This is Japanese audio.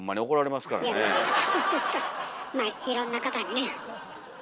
まあいろんな方にね。